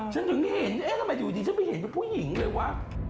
ฉันถึงเห็นเอ๊ะทำไมอยู่ดีฉันไม่เห็นเป็นผู้หญิงเลยวะ